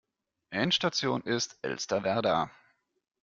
Endstation ist Elsterwerda.